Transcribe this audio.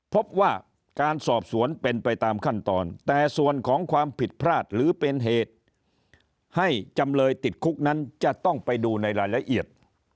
พบว่าการสอบสวนเป็นไปตามขั้นตอนแต่ส่วนของความผิดพลาดหรือเป็นเหตุให้จำเลยติดคุกนั้นจะต้องไปดูในรายละเอียด